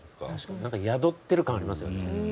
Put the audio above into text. なんか宿ってる感ありますよね。